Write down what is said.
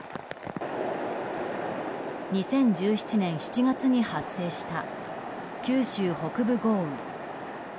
２０１７年７月に発生した九州北部豪雨。